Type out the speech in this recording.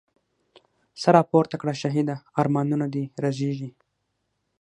سر راپورته کړه شهیده، ارمانونه دي رژیږی